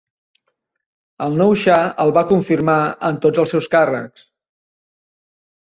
El nou xa el va confirmar en tots els seus càrrecs.